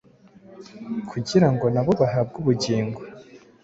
kugira ngo nabo bahabwe ubugingo